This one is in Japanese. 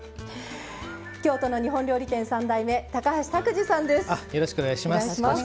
京都の日本料理店３代目高橋拓児さんです。